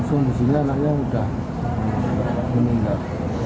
kondisinya anaknya udah meninggal